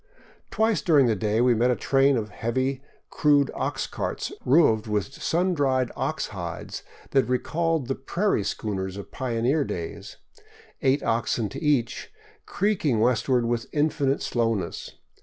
Twice during the day we met a train of heavy, crude ox carts roofed with sun dried ox hides, that recalled the " prairie schooners " of pioneer days, eight oxen to each, creaking westward with infinite slowness.